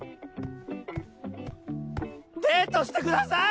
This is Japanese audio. デートしてください！